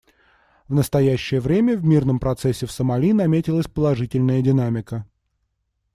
В настоящее время в мирном процессе в Сомали наметилась положительная динамика.